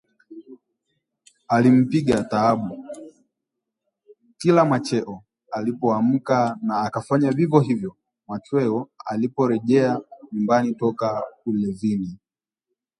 Alimpiga Taabu kila macheo alipoamka na akafanya vivyo hivyo machweo aliporejea nyumbani toka ulevini